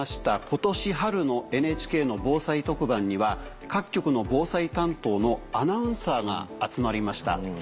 今年春のＮＨＫの防災特番には各局の防災担当のアナウンサーが集まりました。